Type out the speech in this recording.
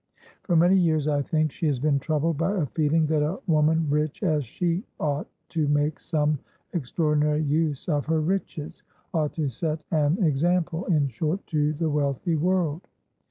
For many years, I think, she has been troubled by a feeling that a woman rich as she ought to make some extraordinary use of her richesought to set an example, in short, to the wealthy world.